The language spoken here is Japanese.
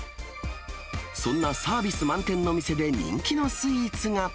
そんなサービス満点の店で人気のスイーツが。